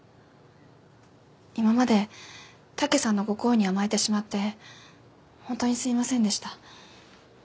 今まで武さんのご好意に甘えてしまってホントにすいませんでした。